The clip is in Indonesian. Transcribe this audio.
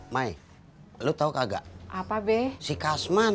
mai lu tahu kagak apa beh si kasman